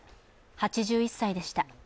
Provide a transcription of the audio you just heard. ８１歳でした。